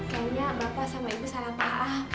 kayaknya bapak sama ibu salah kalah